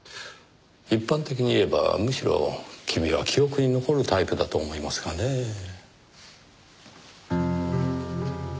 一般的に言えばむしろ君は記憶に残るタイプだと思いますがねぇ。